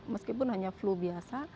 meskipun hanya flu biasa